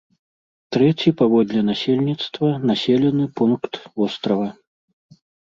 Трэці паводле насельніцтва населены пункт вострава.